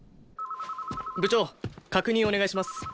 部長確認お願いします。